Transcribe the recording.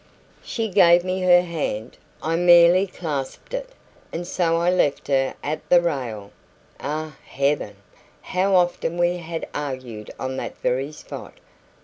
She gave me her hand. I merely clasped it. And so I left her at the rail ah, heaven! how often we had argued on that very spot!